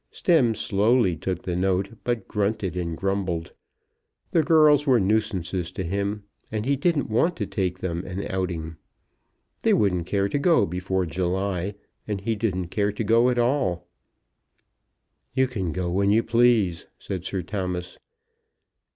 Stemm slowly took the note, but grunted and grumbled. The girls were nuisances to him, and he didn't want to take them an outing. They wouldn't care to go before July, and he didn't care to go at all. "You can go when you please," said Sir Thomas.